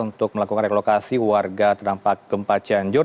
untuk melakukan reklokasi warga terdampak gempa jauh